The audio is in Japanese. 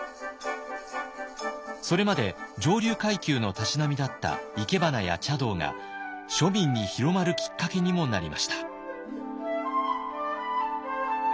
それまで上流階級のたしなみだった生け花や茶道が庶民に広まるきっかけにもなりました。